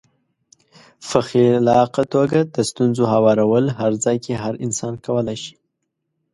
په خلاقه توګه د ستونزو هوارول هر ځای کې هر انسان کولای شي.